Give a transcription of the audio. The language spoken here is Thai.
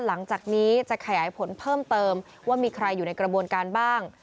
หลังจากนี้จะขยายผลเพิ่มเติมว่ามีใครอยู่ในกระบวนการบ้าง